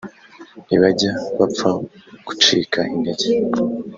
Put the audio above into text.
ntibajya bapfa gucika intege